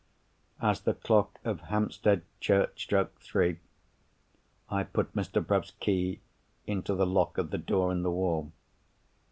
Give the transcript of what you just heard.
As the clock of Hampstead church struck three, I put Mr. Bruff's key into the lock of the door in the wall.